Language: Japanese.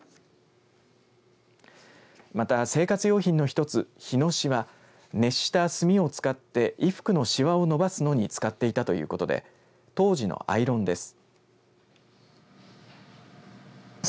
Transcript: また、生活用品の１つ火熨斗は熱した炭を使って衣服のしわを伸ばすのに使っていたということで当時のアイロンです。